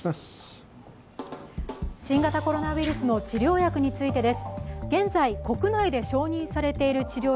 新型コロナウイルスの治療薬についてです。